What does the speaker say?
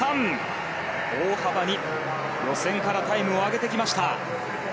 大幅に予選からタイムを上げてきました。